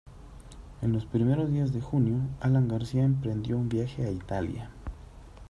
En los primeros días de junio, Alan García emprendió un viaje a Italia.